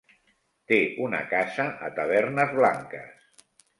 Té una casa a Tavernes Blanques.